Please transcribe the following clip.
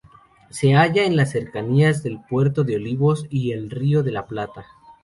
Se halla en cercanías del Puerto de Olivos y el Río de la Plata.